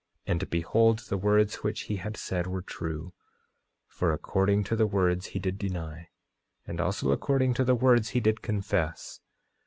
And behold, the words which he had said were true; for according to the words he did deny; and also according to the words he did confess.